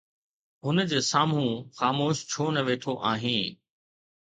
هن جي سامهون خاموش ڇو نه ويٺو آهين؟